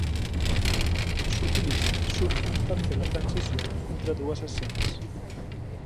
S'utilitza sovint per fer la transició entre dues escenes.